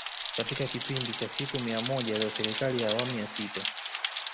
Katika kipindi cha siku mia moja za Serikali ya Awamu ya Sita